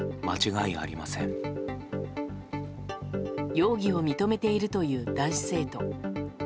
容疑を認めているという男子生徒。